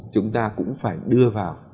chúng ta cũng phải đưa vào